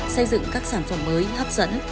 xây dựng các sản phẩm mới hấp dẫn